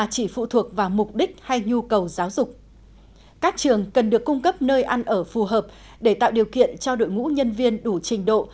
các trường cần được cung cấp nơi ăn ở phù hợp để tạo điều kiện cho đội ngũ nhân viên đủ trình độ